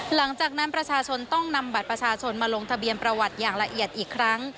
หลังจากนั้นประชาชนต้องนำบัตรประชาชนมาลงทะเบียนประวัติอย่างละเอียดอีกครั้ง